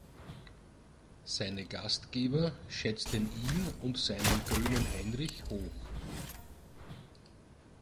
Seine Gastgeber schätzten ihn und seinen "Grünen Heinrich" hoch.